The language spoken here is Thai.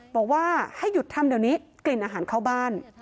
บอกว่าให้หยุดทำเดี๋ยวนี้กลิ่นอาหารเข้าบ้าน